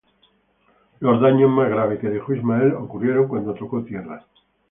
Los daños más graves que dejó Ismael ocurrieron cuando tocó tierra.